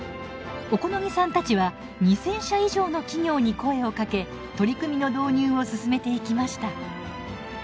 小此木さんたちは２，０００社以上の企業に声をかけ取り組みの導入を進めていきました。